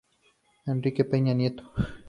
Enrique Peña Nieto.